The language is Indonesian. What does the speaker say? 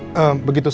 lintah itu cukup